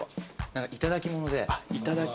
いただき物で。